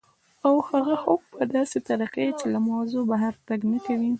او هغه هم په داسې طریقه چې له موضوع بهر تګ نه کوي